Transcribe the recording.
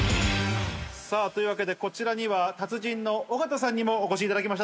さあ、というわけで、こちらには達人の小形さんにもお越しいただきました。